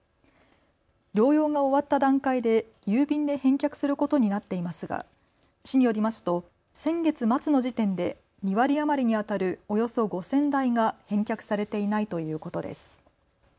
療養が終わった段階で郵便で返却することになっていますが市によりますと先月末の時点で２割余りにあたるおよそ５０００台が返却されていないということです。